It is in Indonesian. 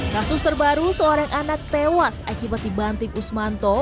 kasus terbaru seorang anak tewas akibat dibanting usmanto